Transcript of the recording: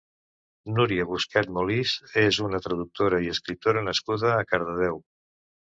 Núria Busquet Molist és una traductora i escriptora nascuda a Cardedeu.